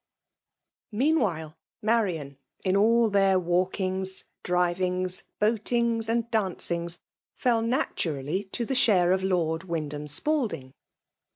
Meanwhile, Marian, in all their walkings, drivings, boatings, and dancings, fell naturally to the share of Lord Wyndham Spalding.